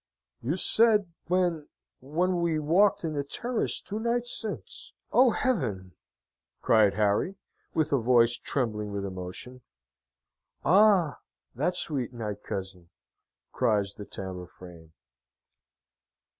"You said when when we walked in the terrace two nights since, O heaven!" cried Harry, with a voice trembling with emotion. "Ah, that sweet night, cousin!" cries the Tambour frame.